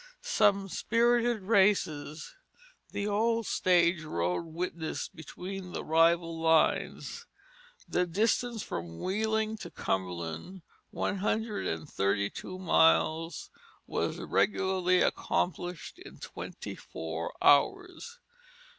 Some spirited races the old stage road witnessed between the rival lines. The distance from Wheeling to Cumberland, one hundred and thirty two miles, was regularly accomplished in twenty four hours.